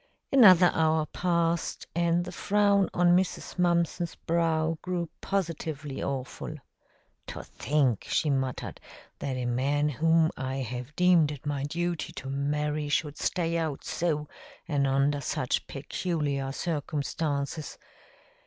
Another hour passed, and the frown on Mrs. Mumpson's brow grew positively awful. "To think," she muttered, "that a man whom I have deemed it my duty to marry should stay out so and under such peculiar circumstances.